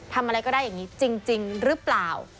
ทำอะไรก็ได้อย่างนี้จริงหรือเปล่า